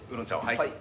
はい。